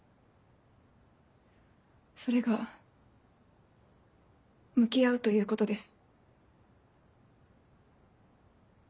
それが向き合うということです。